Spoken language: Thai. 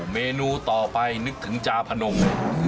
เมนูต่อไปนึกถึงจาพนม